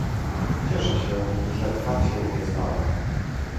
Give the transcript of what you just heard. Cieszę się, że tak się nie stało